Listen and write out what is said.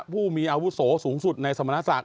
ผู้มีอาวุโสสูงสุดในสมณศักดิ